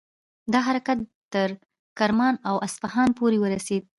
دا حرکت تر کرمان او اصفهان پورې ورسید.